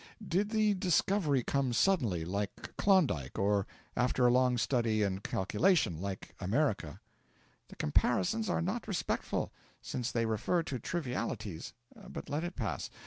'Did the discovery come suddenly, like Klondike, or after long study and calculation, like America?' 'The comparisons are not respectful, since they refer to trivialities but let it pass.